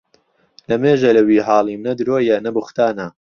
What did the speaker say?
لە مێژە لە وی حاڵیم نە درۆیە نە بوختانە